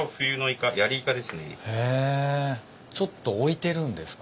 ちょっと置いてるんですか？